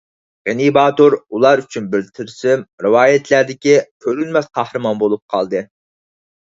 غېنى باتۇر ئۇلار ئۈچۈن بىر تىلسىم، رىۋايەتلەردىكى كۆرۈنمەس قەھرىمان بولۇپ قالدى.